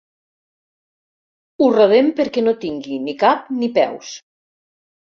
Ho rodem perquè no tingui ni cap ni peus.